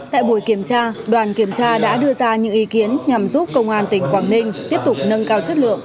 tại buổi kiểm tra đoàn kiểm tra đã đưa ra những ý kiến nhằm giúp công an tỉnh quảng ninh tiếp tục nâng cao chất lượng